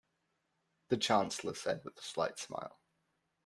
The Chancellor said with a slight smile.